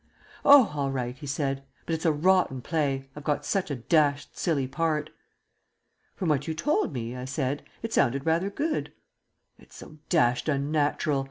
"Oh, all right," he said. "But it's a rotten play. I've got such a dashed silly part." "From what you told me," I said, "it sounded rather good." "It's so dashed unnatural.